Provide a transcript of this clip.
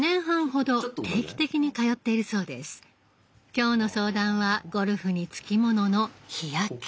今日の相談はゴルフにつきものの「日焼け」。